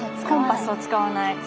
コンパスを使わない。